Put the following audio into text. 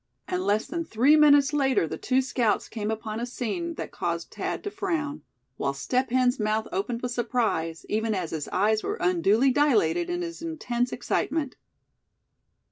And less than three minutes later the two scouts came upon a scene that caused Thad to frown; while Step Hen's mouth opened with surprise, even as his eyes were unduly dilated in his intense excitement.